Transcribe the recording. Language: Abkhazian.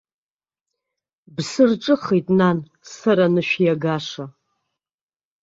Бсырҿыхеит, нан, сара анышә иагаша.